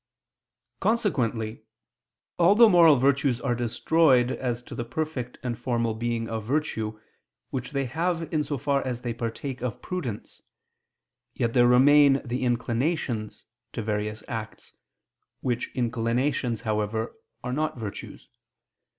Consequently all the moral virtues are destroyed as to the perfect and formal being of virtue, which they have in so far as they partake of prudence, yet there remain the inclinations to virtuous acts, which inclinations, however, are not virtues.